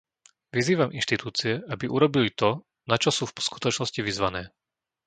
Vyzývam inštitúcie, aby urobili to na čo sú v skutočnosti vyzvané.